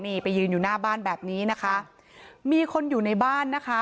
นี่ไปยืนอยู่หน้าบ้านแบบนี้นะคะมีคนอยู่ในบ้านนะคะ